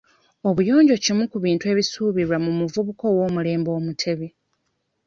Obuyonjo kimu ku bintu ebisuubirwa mu muvubuka ow'omulembe omutebi.